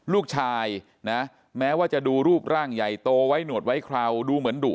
ลูกชายนะแม้ว่าจะดูรูปร่างใหญ่โตไว้หนวดไว้คราวดูเหมือนดุ